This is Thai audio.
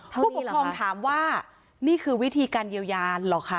ผู้ปกครองถามว่านี่คือวิธีการเยียวยานเหรอคะ